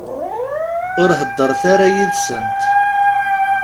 Ur heddṛet ara yid-sent.